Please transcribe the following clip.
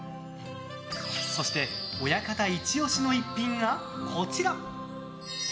そして、親方イチ押しの一品がこちら。